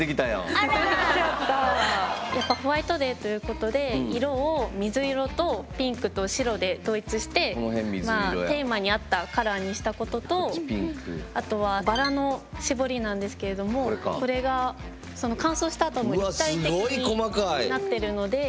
やっぱホワイトデーということで色を水色とピンクと白で統一してテーマに合ったカラーにしたこととあとはバラのしぼりなんですけれどもこれが乾燥したあとも立体的に。